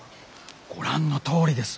ご覧のとおりです。